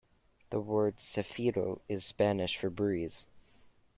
The word "cefiro" is Spanish for "breeze".